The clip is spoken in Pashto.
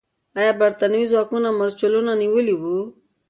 آیا برتانوي ځواکونو مرچلونه نیولي وو؟